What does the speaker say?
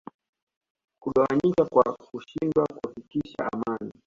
kugawanyika kwa kushindwa kuhakikisha amani